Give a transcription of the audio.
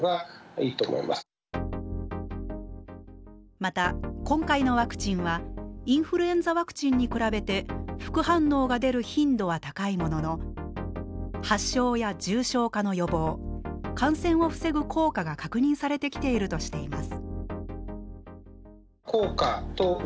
また今回のワクチンはインフルエンザワクチンに比べて副反応が出る頻度は高いもののが確認されてきているとしています。